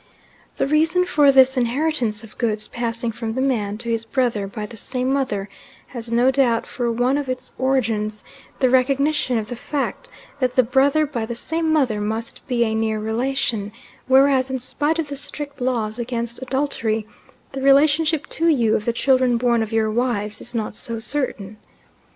The reason for this inheritance of goods passing from the man to his brother by the same mother has no doubt for one of its origins the recognition of the fact that the brother by the same mother must be a near relation, whereas, in spite of the strict laws against adultery, the relationship to you of the children born of your wives is not so certain.